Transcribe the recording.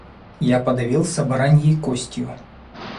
Я подавился бараньей костью.